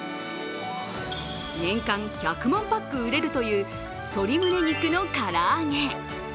年間１００万パック売れるという鶏むね肉の唐揚げ。